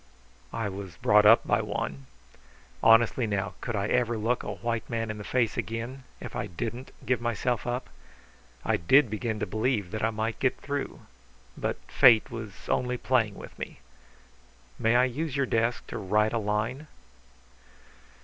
"I was brought up by one. Honestly, now, could I ever look a white man in the face again if I didn't give myself up? I did begin to believe that I might get through. But Fate was only playing with me. May I use your desk to write a line?"